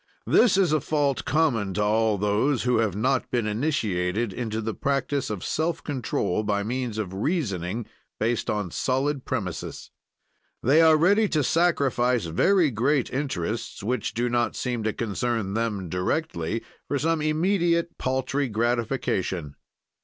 This is a fault common to all those who have not been initiated into the practise of self control by means of reasoning based on solid premises. They are ready to sacrifice very great interests, which do not seem to concern them directly, for some immediate paltry gratification.